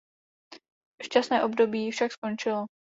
Šťastné období však končilo.